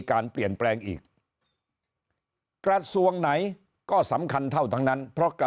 การเปลี่ยนแปลงอีกกระทรวงไหนก็สำคัญเท่าทั้งนั้นเพราะกระ